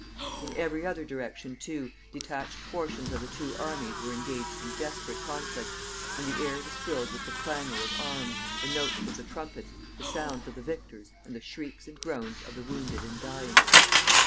In every other direction, too, detached portions of the two armies were engaged in desperate conflicts, and the air was filled with the clangor of arms, the notes of the trumpets, the shouts of the victors, and the shrieks and groans of the wounded and dying.